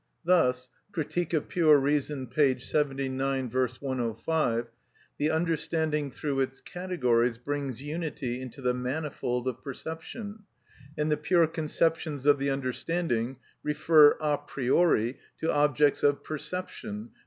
Thus (Critique of Pure Reason, p. 79; V. 105), the understanding through its categories brings unity into the manifold of perception, and the pure conceptions of the understanding refer a priori to objects of perception. P.